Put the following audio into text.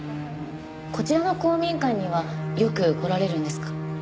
こちらの公民館にはよく来られるんですか？